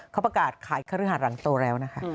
เขาประกาศขายเครื่องหารังโตแล้วนะคะ